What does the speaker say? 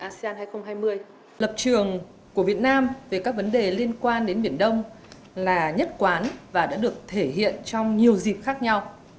asean hai nghìn hai mươi lập trường của việt nam về các vấn đề liên quan đến biển đông là nhất quán và đã được thể hiện trong nhiều dịp khác nhau